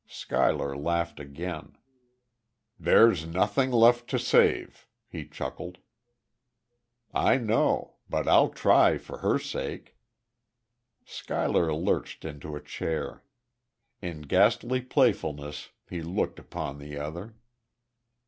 Schuyler laughed again. "There's nothing left to save," he chuckled. "I know; but I'll try for her sake." Schuyler lurched into a chair. In ghastly playfulness he looked upon the other.